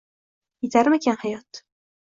Yetarmikan hayoti?